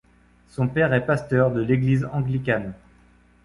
Son père est pasteur de l’Église anglicane.